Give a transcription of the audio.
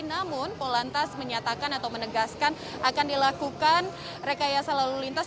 namun polantas menyatakan atau menegaskan akan dilakukan rekayasa lalu lintas